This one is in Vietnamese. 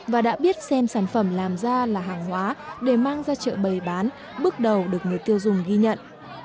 và đã biết xem sản phẩm làm ra là hàng hóa để mang ra chợ bày bán bước đầu được người tiêu dùng ghi nhận